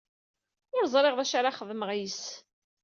Ur ẓriɣ d acu ara xedmeɣ yess.